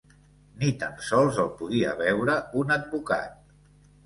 Ni tan sols el podia veure un advocat